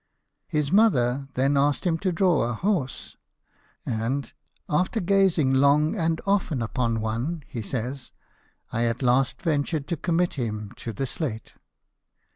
His mother then asked him to draw a horse ; and " after gazing long and often upon one," he says, " I at last ventured to commit him to the slate."